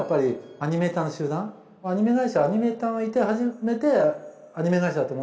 アニメ会社はアニメーターがいて初めてアニメ会社だと思ってるので。